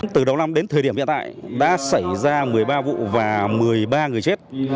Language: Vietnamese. từ đầu năm đến thời điểm hiện tại đã xảy ra một mươi ba vụ và một mươi ba người chết